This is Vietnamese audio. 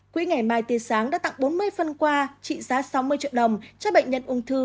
quỹ ngày mai tiền sáng đã tặng bốn mươi phân quà trị giá sáu mươi triệu đồng cho bệnh nhân ung thư